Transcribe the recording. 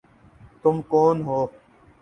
تم کون ہو؟